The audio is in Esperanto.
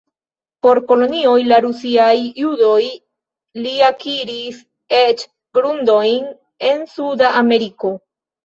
Por kolonioj de rusiaj judoj li akiris eĉ grundojn en Suda Ameriko.